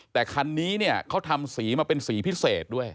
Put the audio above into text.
แต่คันนี้เนี่ยเขาทำสีมาเป็นสีพิเศษด้วย